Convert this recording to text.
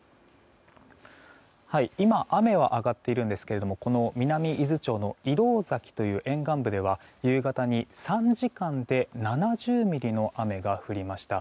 今、雨は上がっていますがこの南伊豆町の石廊崎という沿岸部では、夕方に３時間で７０ミリの雨が降りました。